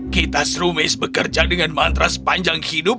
kita srumis bekerja dengan mantra sepanjang hidup